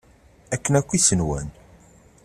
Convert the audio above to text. Akken akk i s-nwan.